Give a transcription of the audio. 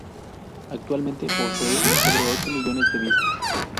Actualmente posee sobre ocho millones de visitas.